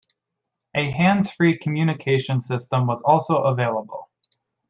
A hands-free communication system was also available.